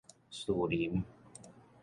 士林